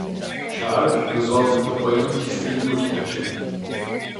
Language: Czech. Sharp nazval tento pojem čistým počítačem.